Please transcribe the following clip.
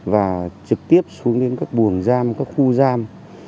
và trực tiếp xuống đến các buồng giam các khu giam